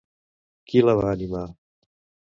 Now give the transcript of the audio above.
Qui la va animar?